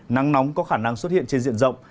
nắng nóng có khả năng xuất hiện trên diện rộng